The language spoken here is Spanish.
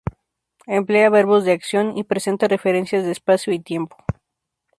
Emplea verbos de acción y presenta referencias de espacio y tiempo.